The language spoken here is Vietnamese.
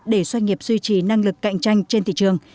để doanh nghiệp duy trì năng lực cạnh tranh trên thị trường